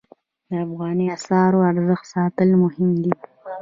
د افغانۍ اسعارو ارزښت ساتل مهم دي